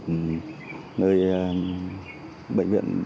nơi bệnh viện